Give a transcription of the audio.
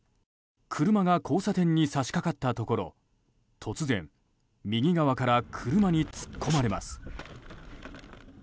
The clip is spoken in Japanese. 車が交差点に差し掛かったところ突然、右側から車に突っ込まれます。